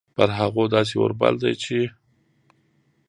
پر هغو داسي اور بل ده چې